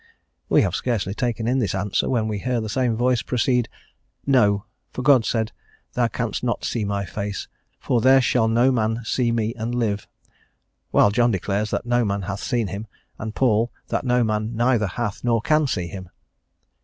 We have scarcely taken in this answer when we hear the same voice proceed: "No; for God said thou canst not see my face, for there shall no man see me and live; while John declares that no man hath seen Him, and Paul, that no man neither hath nor can see Him."